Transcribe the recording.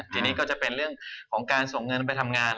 ทีนี้ก็จะเป็นเรื่องของการส่งเงินไปทำงาน